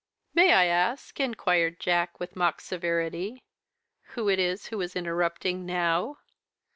"May I ask," inquired Jack, with mock severity, "who is it who is interrupting now?